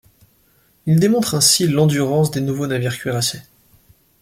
Il démontre ainsi l'endurance des nouveaux navires cuirassés.